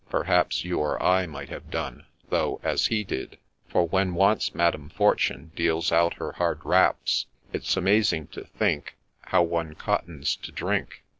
Perhaps you or I might have done, though, as he did ; For when once Madam Fortune deals out her hard raps, It 's amazing to think How one ' cottons ' to Drink